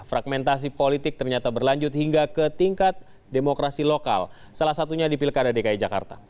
fragmentasi politik ternyata berlanjut hingga ke tingkat demokrasi lokal salah satunya di pilkada dki jakarta